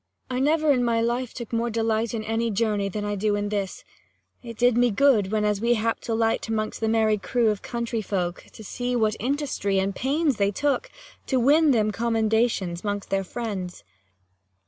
Cor. I never in my life took more delight In any journey, than I do in this : 5 It did me good, whenas we happ'd to light Amongst the merry crew of country folk, To see what industry and pains they took, To win them commendations 'mongst their friends.